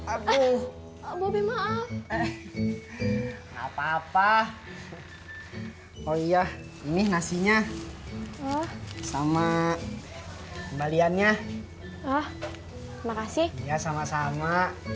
abuh abuh maaf apa apa oh iya ini nasinya sama kembaliannya makasih ya sama sama